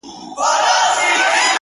د تکراري حُسن چيرمني هر ساعت نوې یې ـ